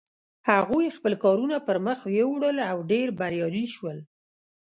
هغوی خپل کارونه پر مخ یوړل او ډېر بریالي شول.